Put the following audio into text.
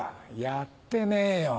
「やってねえよ」